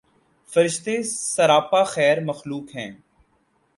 فرشتے سراپاخیر مخلوق ہیں